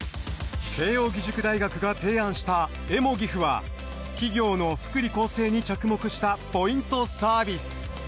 慶応義塾大学が提案したエモギフは企業の福利厚生に着目したポイントサービス。